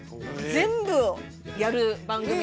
全部をやる番組なので。